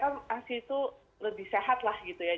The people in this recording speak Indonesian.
sepengetahuan saya kan asli itu lebih sehat lah gitu ya